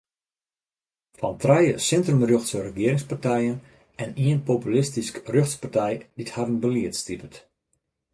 Fan trije sintrum-rjochtse regearingspartijen en ien populistysk-rjochtse partij dy’t harren belied stipet.